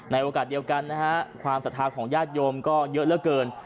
โอกาสเดียวกันนะฮะความศรัทธาของญาติโยมก็เยอะเหลือเกิน